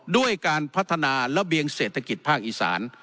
ด้วยการพัฒนาระเบียงเศรษฐกิจภาคอีสาน